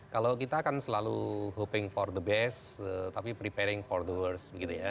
kalau kita kan selalu hoping for the best tapi preparing for the worst begitu ya